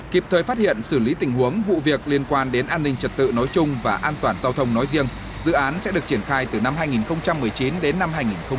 kịp thời phát hiện xử lý tình huống vụ việc liên quan đến an ninh trật tự nói chung và an toàn giao thông nói riêng dự án sẽ được triển khai từ năm hai nghìn một mươi chín đến năm hai nghìn hai mươi